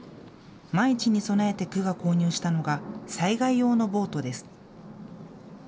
万一に備えて区が購入したのが災害用のボートです。